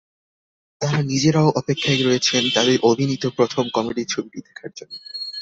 তাঁরা নিজেরাও অপেক্ষায় রয়েছেন তাঁদের অভিনীত প্রথম কমেডি ছবিটি দেখার জন্য।